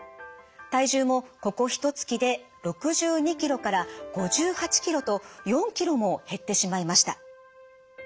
体重もここひとつきで６２キロから５８キロと４キロも減ってしまいました。